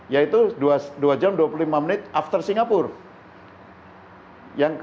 yaitu dua jam dua puluh lima menit after singapura